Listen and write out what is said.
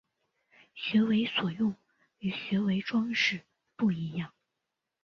学为所用与学为‘装饰’不一样